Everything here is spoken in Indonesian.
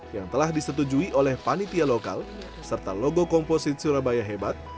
yang telah disetujui oleh panitia lokal serta logo komposit surabaya hebat